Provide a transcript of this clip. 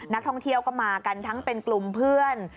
นักท่องเที่ยวก็มากันทั้งเป็นกลุ่มเพื่อน